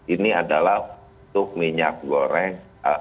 ini adalah minyak goreng